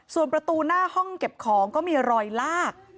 ส่วนประตูหน้าห้องเก็บของก็มีรอยลาก